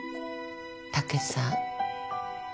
武さん